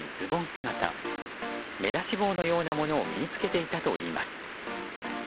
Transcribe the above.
姿目出し帽のようなものを身に着けていたといいます。